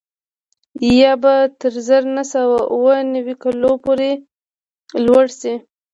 یا به تر زر نه سوه اووه نوي کلونو پورې لوړ شي